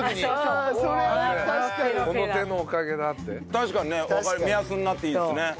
確かにね目安になっていいですね。